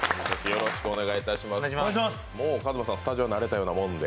もうＫＡＺＭＡさん、スタジオ慣れたようなもんで。